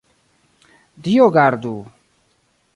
Dio gardu!